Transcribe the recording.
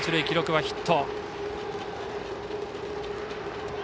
記録はヒット。